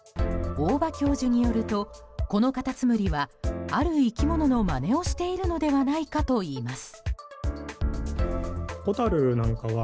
大場教授によるとこのカタツムリはある生き物のまねをしているのではないかといいます。